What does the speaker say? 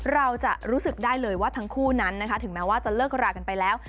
เราจะรู้สึกได้เลยว่าทั้งคู่นั้นนะคะถึงแม้ว่าจะเลิกรากันไปแล้ว